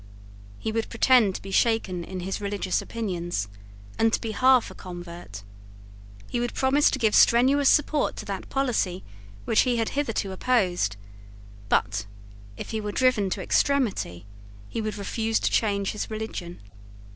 He would pretend to be shaken in his religious opinions, and to be half a convert: he would promise to give strenuous support to that policy which he had hitherto opposed: but, if he were driven to extremity, he would refuse to change his religion.